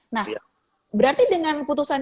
nah berarti dengan putusan